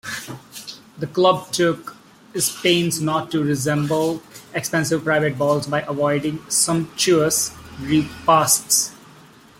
The club took pains not to resemble expensive private balls by avoiding sumptuous repasts.